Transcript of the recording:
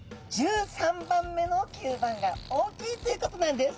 １３番目の吸盤が大きいということなんです。